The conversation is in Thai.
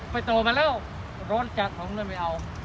ไปต่อมาแล้วรสจัดของมันไปเอา